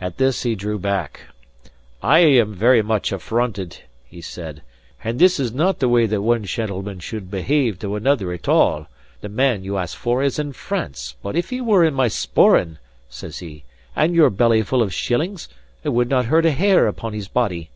At this he drew back. "I am very much affronted," he said; "and this is not the way that one shentleman should behave to another at all. The man you ask for is in France; but if he was in my sporran," says he, "and your belly full of shillings, I would not hurt a hair upon his body."